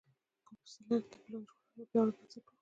ګوسپلن د پلان جوړونې یو پیاوړی بنسټ و